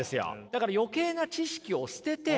だから余計な知識を捨てて。